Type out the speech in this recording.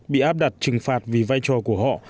bị áp đặt trừng phạt vì vai trò của họ